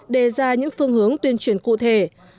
đề ra những phương hướng tuyên truyền cụ thể